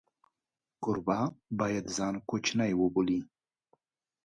کوربه باید ځان کوچنی وبولي.